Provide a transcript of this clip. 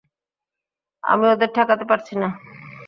আমি ওদের ঠেকাতে পারছি না।